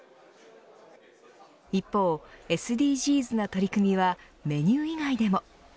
一方、ＳＤＧｓな取り組みはメニュー以外でも。